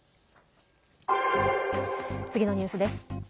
次のニュースです。